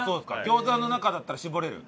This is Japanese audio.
餃子の中だったら絞れる？